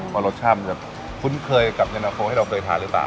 เพราะรสชาติมันจะคุ้นเคยกับเย็นนาโฟที่เราเคยทานหรือเปล่า